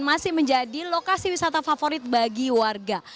masih menjadi lokasi wisata favorit bagi warga